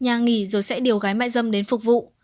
nhà nghỉ rồi sẽ điều gái mai dâm đến phục vụ